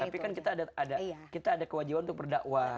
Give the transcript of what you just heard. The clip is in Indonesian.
tapi kan kita ada kewajiban untuk berdakwah